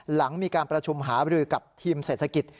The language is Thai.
หลังมีการประชุมหาบรือกับทีมเศรษฐกิจ